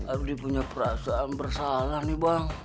ardi punya perasaan bersalah nih bang